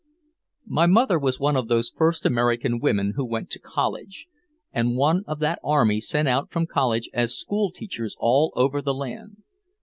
My mother was one of those first American women who went to college, and one of that army sent out from college as school teachers all over the land.